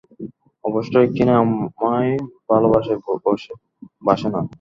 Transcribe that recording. অবশ্যই, কিনাই আমায় ভালোবাসে, বাসে না।